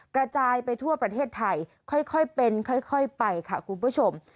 กระจายไปทั่วประเทศไทยค่อยเป็นค่อยไปค่ะคุณผู้ชม